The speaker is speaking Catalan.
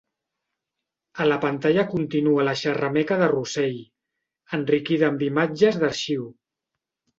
A la pantalla continua la xerrameca de Russell, enriquida amb imatges d'arxiu.